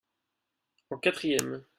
en quatrième.